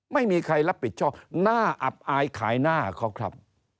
ไม่มีใครรับผิดชอบน่าอับอายขายหน้าเขาครับ